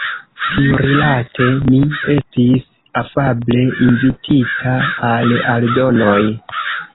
Tiurilate mi estis afable invitita al aldonoj.